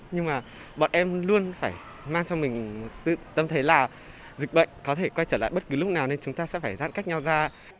nhưng mà bọn em luôn phải mang cho mình tâm thế là dịch bệnh có thể quay trở lại bất cứ lúc nào nên chúng ta sẽ phải giãn cách nhau ra